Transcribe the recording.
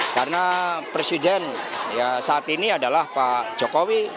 karena presiden saat ini adalah pak jokowi